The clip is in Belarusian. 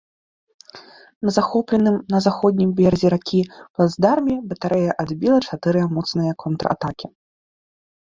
На захопленым на заходнім беразе ракі плацдарме батарэя адбіла чатыры моцныя контратакі.